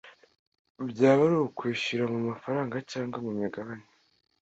byaba ari ukwishyura mu mafaranga cyangwa mu migabane